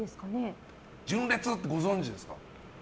純烈って、ご存じですか？